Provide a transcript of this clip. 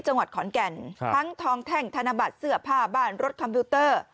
จังหวัดขอนแก่นทั้งทองแท่งธนบัตรเสื้อผ้าบ้านรถคอมพิวเตอร์